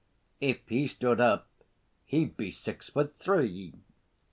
"If he stood up he'd be six foot three."